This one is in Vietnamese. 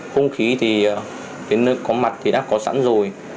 hung khí thì đến nơi có mặt thì đã có sẵn rồi